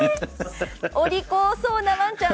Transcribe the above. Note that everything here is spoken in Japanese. お利口そうなワンちゃん。